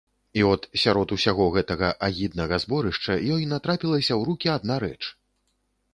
І от, сярод усяго гэтага агіднага зборышча, ёй натрапілася ў рукі адна рэч.